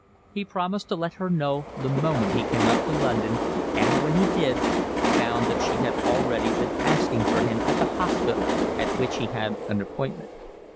He promised to let her know the moment he came up to London, and, when he did, found that she had already been asking for him at the hospital at which he had an appointment.